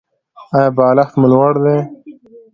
ایا بالښت مو لوړ دی؟